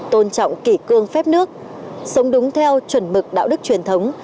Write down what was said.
tôn trọng kỷ cương phép nước sống đúng theo chuẩn mực đạo đức truyền thống